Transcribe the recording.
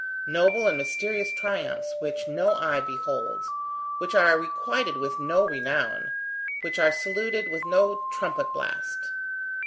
Noble and mysterious triumphs which no eye beholds, which are requited with no renown, which are saluted with no trumpet blast.